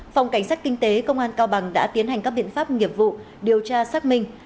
phòng cảnh sát kinh tế công an cao bằng đã tiến hành các biện pháp nghiệp vụ điều tra xác minh